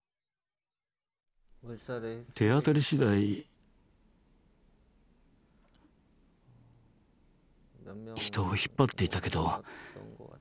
手当たりしだい人を引っ張っていたけど。